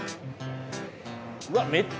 うわっ！